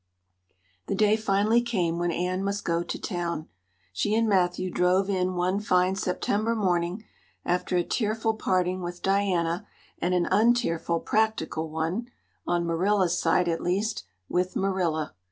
The day finally came when Anne must go to town. She and Matthew drove in one fine September morning, after a tearful parting with Diana and an untearful practical one on Marilla's side at least with Marilla.